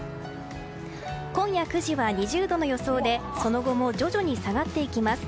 今夜９時は２０度の予想でその後も徐々に下がっていきます。